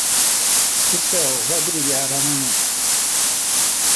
O sol vai brilhar amanhã.